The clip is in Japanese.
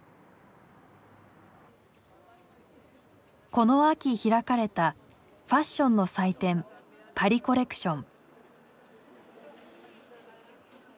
この秋開かれたファッションの祭典「パリ・コレクション」。